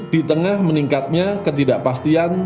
di tengah meningkatnya ketidakpastian